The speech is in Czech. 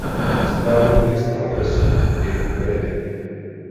Správním městem okresu je Brady.